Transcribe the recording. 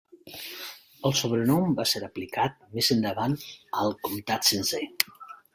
El sobrenom va ser aplicat més endavant al comtat sencer.